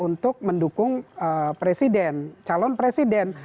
untuk mendukung presiden calon presiden